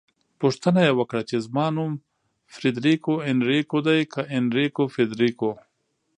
پوښتنه يې وکړه چې زما نوم فریدریکو انریکو دی که انریکو فریدریکو؟